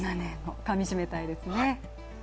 かみしめたいですね。